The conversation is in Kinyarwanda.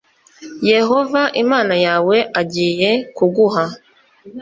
yehova imana yawe agiye kuguha